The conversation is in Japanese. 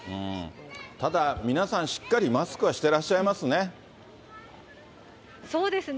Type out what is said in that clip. ただ、皆さん、しっかりマスクはしてらっしゃいますね。